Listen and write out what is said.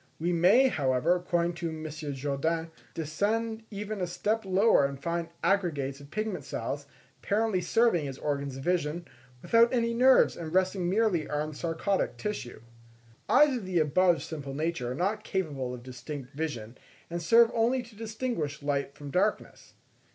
We may, however, according to M. Jourdain, descend even a step lower and find aggregates of pigment cells, apparently serving as organs of vision, without any nerves, and resting merely on sarcodic tissue. Eyes of the above simple nature are not capable of distinct vision, and serve only to distinguish light from darkness.